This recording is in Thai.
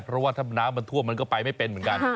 เพราะว่าถ้าน้ำมันท่วมมันก็ไปไม่เป็นเหมือนกัน